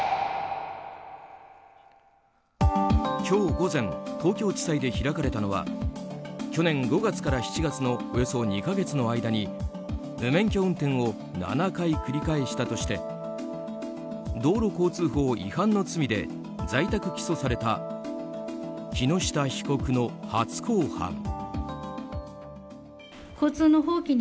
今日午前東京地裁で開かれたのは去年５月から７月のおよそ２か月の間に無免許運転を７回、繰り返したとして道路交通法違反の罪で在宅起訴された木下被告の初公判。